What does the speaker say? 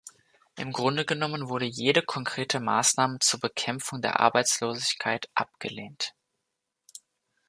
Im Grunde genommen wurde jede konkrete Maßnahme zur Bekämpfung der Arbeitslosigkeit abgelehnt.